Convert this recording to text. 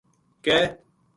کے